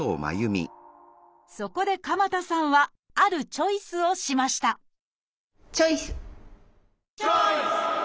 そこで鎌田さんはあるチョイスをしましたチョイス！